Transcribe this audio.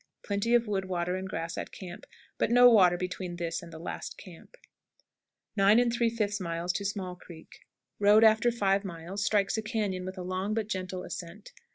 Plenty of wood, water, and grass at camp, but no water between this and the last camp. 9 3/5. Small Creek. Road after five miles strikes a cañon with a long but gentle ascent.